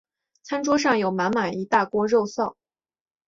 餐桌上有满满一大锅肉燥